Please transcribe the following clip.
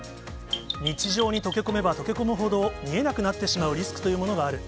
日常に溶け込めば溶け込むほど、見えなくなってしまうリスクというものがある。